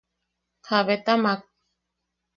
–¿Jabetamak?